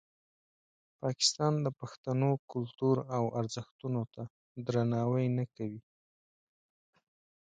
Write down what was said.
پاکستان د پښتنو کلتور او ارزښتونو ته درناوی نه کوي.